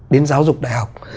đến giáo dục đại học